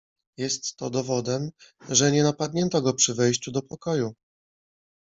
"Jest to dowodem, że nie napadnięto go przy wejściu do pokoju."